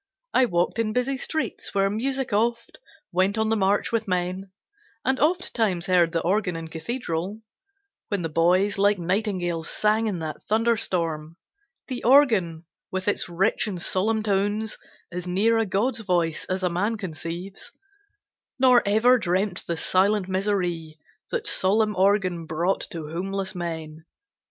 I walked in busy streets where music oft Went on the march with men; and ofttimes heard The organ in cathedral, when the boys Like nightingales sang in that thunderstorm; The organ, with its rich and solemn tones As near a God's voice as a man conceives; Nor ever dreamt the silent misery That solemn organ brought to homeless men.